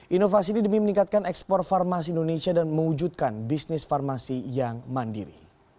inovasi ini demi meningkatkan ekspor farmasi indonesia dan mewujudkan bisnis farmasi yang mandiri